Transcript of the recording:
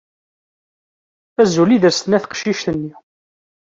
Azul, i d as-d-tenna teqcict-nni.